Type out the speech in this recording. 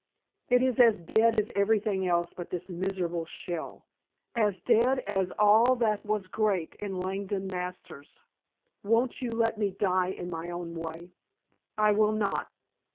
"It is as dead as everything else but this miserable shell. As dead as all that was great in Langdon Masters. Won't you let me die in my own way?" "I will not."